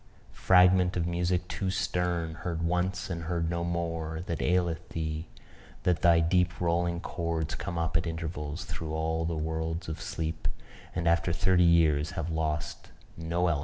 Fragment of music too stern, heard once and heard no more, what aileth thee that thy deep rolling chords come up at intervals through all the worlds of sleep, and after thirty years have lost no element of horror?